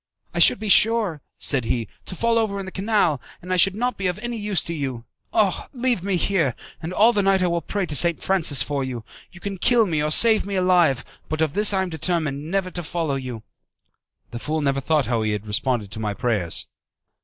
"I should be sure," said he, "to fall over into the canal, and I should not be of any use to you. Ah! leave me here, and all the night I will pray to St. Francis for you. You can kill me or save me alive; but of this I am determined, never to follow you." The fool never thought how he had responded to my prayers.